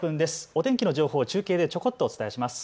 お天気の情報を中継でちょこっとお伝えします。